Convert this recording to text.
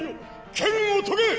剣を研げ！